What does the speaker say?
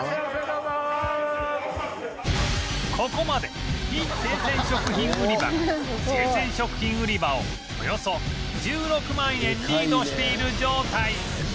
ここまで非生鮮食品売り場が生鮮食品売り場をおよそ１６万円リードしている状態